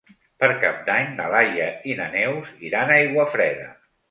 Per Cap d'Any na Laia i na Neus iran a Aiguafreda.